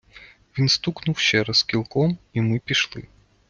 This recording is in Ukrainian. Він стукнув ще раз кілком, i ми пішли.